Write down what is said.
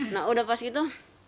nah udah pas gitu